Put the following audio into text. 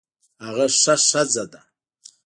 هغه ښه ښځه ده